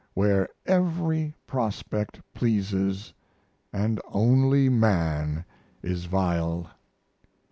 "Where every prospect pleases, and only man is vile."